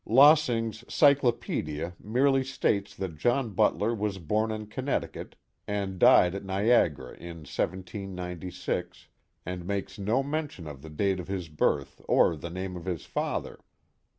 Lossing's Cyclopedia merely states that John Butler was born in Connecticut, and died at Niagara in 1796, and makes no men tion of the date of his birth or the name of his father.